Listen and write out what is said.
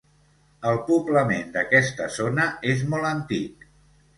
El poblament d'aquesta zona, és molt antic.